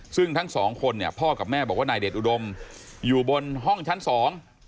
ซึ่งทั้งสองคนเนี่ยพ่อกับแม่บอกว่านายเดชอุดมอยู่บนห้องชั้นสอง